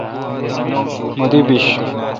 مہ دی بیش۔